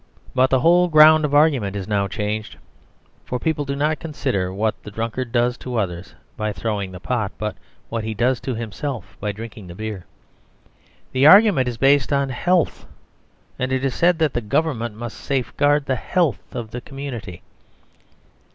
But the whole ground of argument is now changed. For people do not consider what the drunkard does to others by throwing the pot, but what he does to himself by drinking the beer. The argument is based on health; and it is said that the Government must safeguard the health of the community.